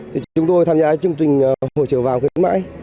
thì chúng tôi tham gia chương trình hồi chiều vàng khuyến mại